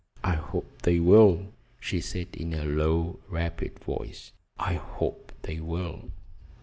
"I hope they will," she said in a low, rapid voice. "I hope they will."